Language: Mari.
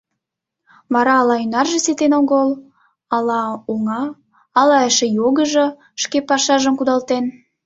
Вара ала ӱнарже ситен огыл, ала — оҥа, ала эше йогыжо — шке пашажым кудалтен.